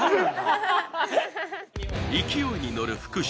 勢いに乗る福島。